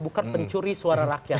bukan pencuri suara rakyat